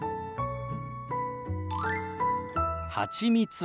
はちみつ。